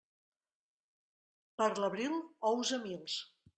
Per l'abril, ous a mils.